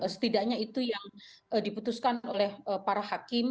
setidaknya itu yang diputuskan oleh para hakim